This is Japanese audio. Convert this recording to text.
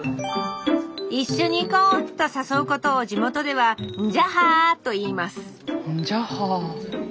「一緒に行こう」と誘うことを地元では「んじゃは」と言います「んじゃは」。